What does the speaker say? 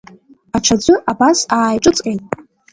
Аҽаӡәы абас ааиҿыҵҟьеит.